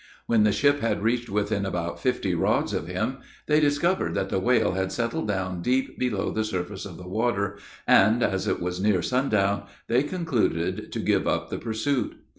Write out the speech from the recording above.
When the ship had reached within about fifty rods of him, they discovered that the whale had settled down deep below the surface of the water, and, as it was near sundown, they concluded to give up the pursuit.